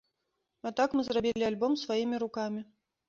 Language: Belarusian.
А так мы зрабілі альбом сваімі рукамі!